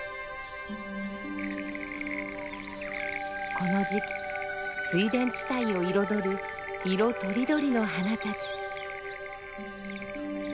この時期水田地帯を彩る色とりどりの花たち。